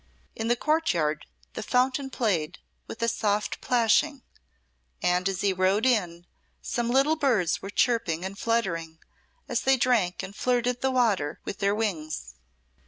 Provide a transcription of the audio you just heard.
In the courtyard the fountain played with a soft plashing, and as he rode in some little birds were chirping and fluttering as they drank and flirted the water with their wings.